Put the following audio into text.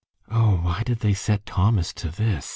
"Oh, why did they set Thomas to this?"